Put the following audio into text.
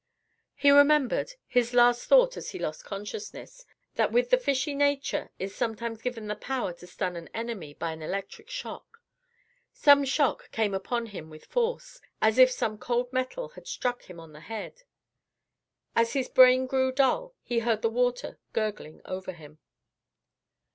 He remembered his last thought as he lost consciousness that with the fishy nature is sometimes given the power to stun an enemy by an electric shock. Some shock came upon him with force, as if some cold metal had struck him on the head. As his brain grew dull he heard the water gurgling over him.